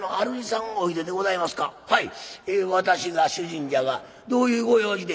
私が主人じゃがどういうご用事で？」。